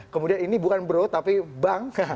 kemudian ini bukan bro tapi bank